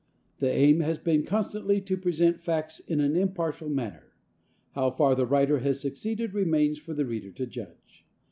The aim has been constantly to present facts in an impartial manner. How far the writer has succeeded remains for the reader to judge.